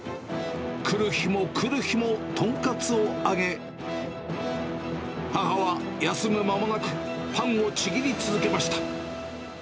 来る日も来る日も豚カツを揚げ、母は休む間もなくパンをちぎり続けました。